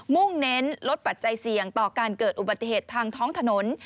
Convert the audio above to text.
่งเน้นลดปัจจัยเสี่ยงต่อการเกิดอุบัติเหตุทางท้องถนน